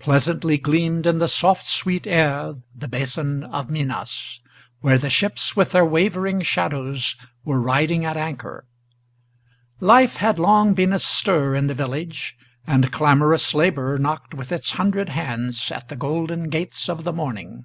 Pleasantly gleamed in the soft, sweet air the Basin of Minas, Where the ships, with their wavering shadows, were riding at anchor. Life had long been astir in the village, and clamorous labor Knocked with its hundred hands at the golden gates of the morning.